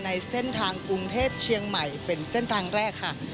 ในเส้นทางกรุงเทพเชียงใหม่เป็นเส้นทางแรกค่ะ